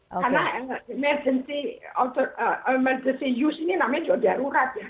karena emergency use ini namanya juga jarurat